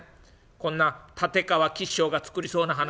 こんな立川吉祥が作りそうな噺」。